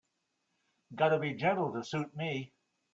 Gotta be gentle to suit me.